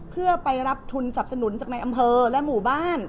เพื่อไปรับทุนสับสนุนจากในอำเภอและหมู่บ้าน